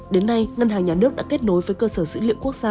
đến nay ngân hàng nhà nước đã kết nối với cơ sở dữ liệu quốc gia